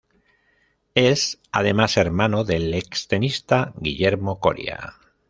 Es, además hermano del ex tenista, Guillermo Coria.